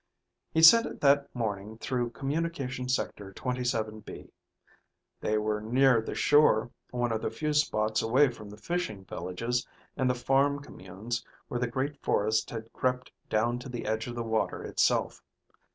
He'd sent it that morning through Communication Sector 27B. They were near the shore, one of the few spots away from the fishing villages and the farm communes where the great forest had crept down to the edge of the water itself.